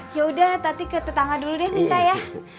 ya udah tati ke tetangga dulu deh minta ya